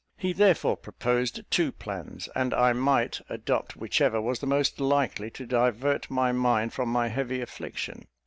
He therefore proposed two plans, and I might adopt whichever was the most likely to divert my mind from my heavy affliction.